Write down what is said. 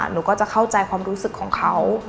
หนูก็จะเข้าใจความรู้สึกของเขา